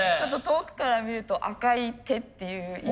遠くから見ると赤い手っていう。